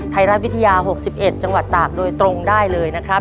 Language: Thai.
ไทยรัฐวิทยา๖๑จังหวัดตากโดยตรงได้เลยนะครับ